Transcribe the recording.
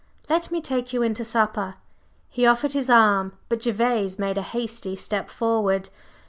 Let me take you in to supper." He offered his arm, but Gervase made a hasty step forward.